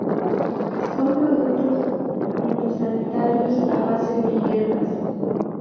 Son productos fitosanitarios a base de hierbas.